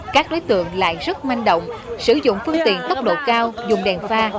các đối tượng lại rất manh động sử dụng phương tiện tốc độ cao dùng đèn pha